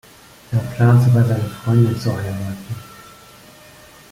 Er plant sogar, seine Freundin zu heiraten.